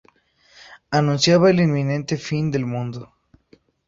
Anunciaba el inminente fin del mundo.